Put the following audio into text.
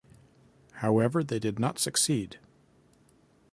However, they did not succeed.